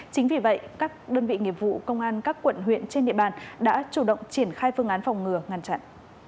chính vì vậy các đơn vị nghiệp vụ công an các quận huyện trên địa bàn đã chủ động triển khai phương án phòng ngừa ngăn chặn